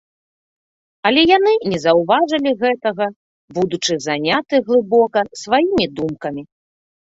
Але яны не заўважылі гэтага, будучы заняты глыбока сваімі думкамі.